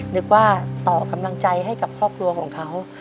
นึกว่าต่อกำลังใจให้กับครอบครัวของเขา